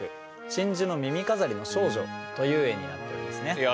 「真珠の耳飾りの少女」という絵になっておりますね。